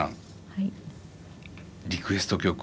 はい。